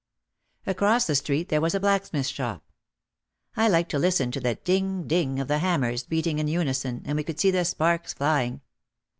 Across the street there was a blacksmith shop. I liked to listen to the ding, ding of the hammers beating in unison and we could see the sparks flying.